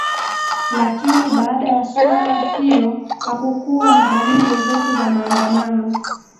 lakini baada ya suala hiyo hakukuwa na dalili zozote za maandamano